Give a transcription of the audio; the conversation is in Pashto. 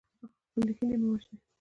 خپلې هیلې مه وژنئ.